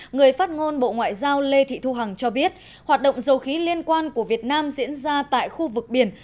người phát ngôn bộ ngoại giao lê thị thu hằng cho biết hoạt động dầu khí liên quan của việt nam diễn ra tại khu vực biển